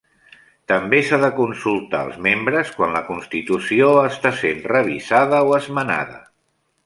També s'ha de consultar els membres quan la constitució està sent revisada o esmenada.